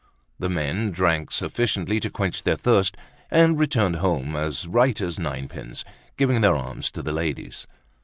The men drank sufficient to quench their thirst, and returned home as right as nine pins, giving their arms to the ladies.